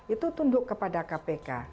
itu tunduk kepada kpk